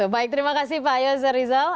baik terima kasih pak yozar rizal